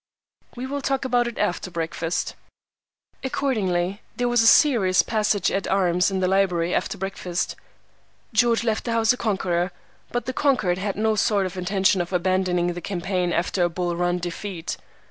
Que faire?" "We will talk about it after breakfast." Accordingly, there was a serious passage at arms in the library after breakfast. George left the house a conqueror, but the conquered had no sort of intention of abandoning the campaign after a Bull Run defeat.